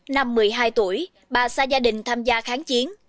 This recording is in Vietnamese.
năm một mươi hai tuổi bà xa gia đình tham gia kháng chiến